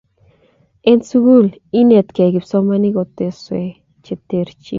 en sukul inetekei kipsomaninik kotoswek cheterchin